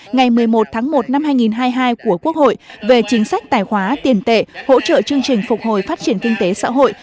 ngày một mươi một tháng một năm hai nghìn hai mươi hai của quốc hội về chính sách tài khóa tiền tệ hỗ trợ chương trình phục hồi phát triển kinh tế xã hội